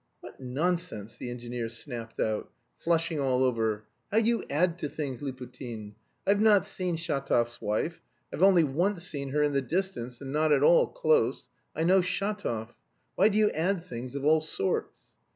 "What nonsense!" the engineer snapped out, flushing all over. "How you add to things, Liputin! I've not seen Shatov's wife; I've only once seen her in the distance and not at all close.... I know Shatov. Why do you add things of all sorts?"